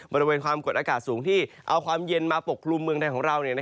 บริเวณความกดอากาศสูงที่เอาความเย็นมาปกคลุมเมืองไทยของเรา